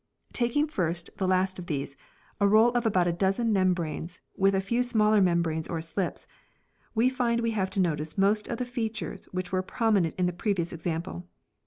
Taking first the last of these, a roll of about a dozen membranes with a few smaller membranes or slips, we find we have to notice most of the features which were prominent in the previous example.